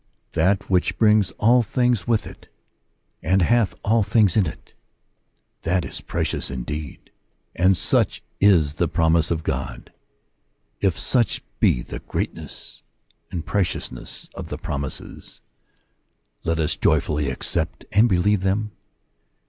That which brings all things yo According to the Promise. with it, and hath all things in it, — that is precious indeed , and such is the promise of God. If such be the greatness and preciousness of the promises, let us joyfully accept and believe them.